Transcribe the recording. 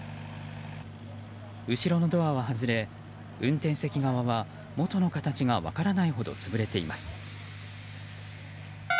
後ろのドアは外れ運転席側は元の形が分からないほど潰れています。